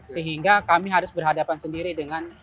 sehingga kami harus berhadapan sendiri dengan